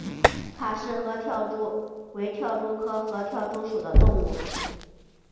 卡氏合跳蛛为跳蛛科合跳蛛属的动物。